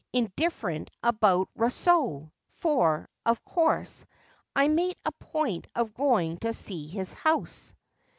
335 indifferent about Eousseau — for, of course, I made a point of going to see his house.'